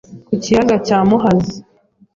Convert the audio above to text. ku kiyaga cya Muhazi.